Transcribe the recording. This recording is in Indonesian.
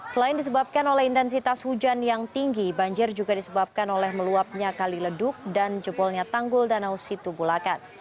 selain disebabkan oleh intensitas hujan yang tinggi banjir juga disebabkan oleh meluapnya kali leduk dan jebolnya tanggul danau situbulakan